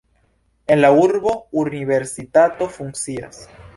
En la urbo universitato funkcias.